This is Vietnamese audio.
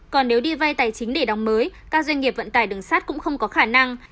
còn nếu đi vay tài chính để đóng mới các doanh nghiệp vận tải đường sắt cũng không có khả năng